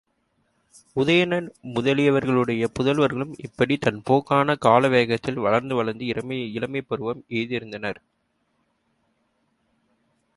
உதயணன் முதலியவர்களுடைய புதல்வர்களும் இப்படித் தன் போக்கான கால வேகத்தில் வளர்ந்து வளர்ந்து இளமைப் பருவம் எய்தியிருந்தனர்.